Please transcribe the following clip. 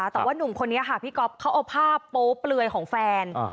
แต่ว่านุ่มคนนี้ค่ะพี่ก๊อฟเขาเอาภาพโป๊เปลือยของแฟน